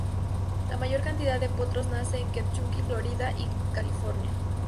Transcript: La mayor cantidad de potros nacen en Kentucky, Florida y California.